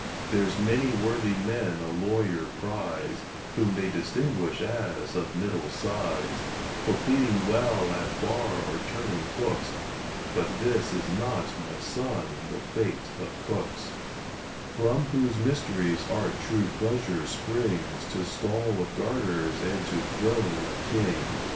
There's many worthy men a lawyer prize, Whom they distinguish as of middle size, For pleading well at bar or turning books; But this is not, my son, the fate of cooks, From whose mysterious art true pleasure springs, To stall of garters, and to throne of kings.